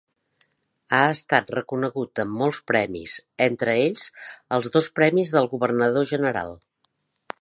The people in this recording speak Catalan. Ha estat reconegut amb molts premis, entre ells, els dos Premis del Governador General.